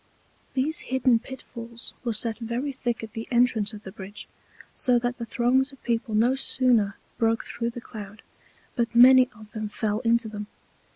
These hidden Pit falls were set very thick at the Entrance of the Bridge, so that the Throngs of People no sooner broke through the Cloud, but many of them fell into them.